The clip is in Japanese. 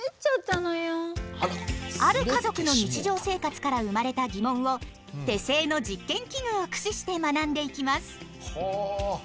ある家族の日常生活から生まれた疑問を手製の実験器具を駆使して学んでいきます。